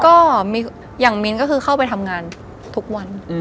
ก็อย่างมิ้นก็คือเข้าไปทำงานทุกวัน